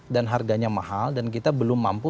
dan harganya mahal dan kita belum mampu